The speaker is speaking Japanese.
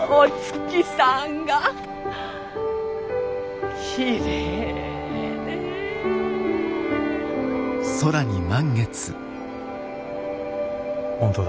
きれいだ。